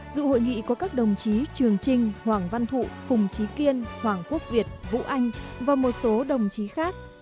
dự hội nghị có các đồng chí trường trinh hoàng văn thụ phùng trí kiên hoàng quốc việt vũ anh và một số đồng chí khác